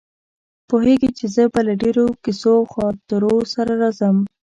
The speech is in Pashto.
پوهېږي چې زه به له ډېرو کیسو او خاطرو سره راځم.